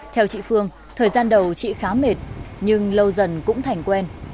theo chị phương thời gian đầu chị khá mệt nhưng lâu dần cũng thành quen